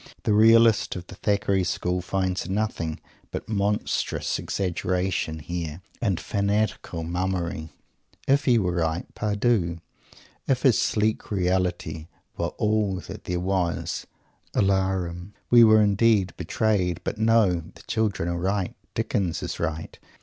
The realist of the Thackeray School finds nothing but monstrous exaggeration here and fantastic mummery. If he were right, par dieu! If his sleek "reality" were all that there was "alarum!" We were indeed "betrayed"! But no; the children are right. Dickens is right.